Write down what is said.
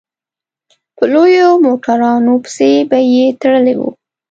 په لویو موټرانو پسې به يې تړلي وو.